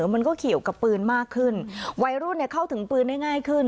มันก็เกี่ยวกับปืนมากขึ้นวัยรุ่นเข้าถึงปืนได้ง่ายขึ้น